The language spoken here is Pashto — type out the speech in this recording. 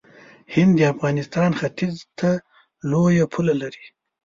هند د افغانستان ختیځ ته لوی پوله لري.